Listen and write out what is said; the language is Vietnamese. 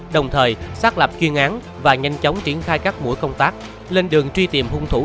đồng thời xác lập chuyên án và nhanh chóng triển khai các mũi công tác lên đường truy tìm hung thủ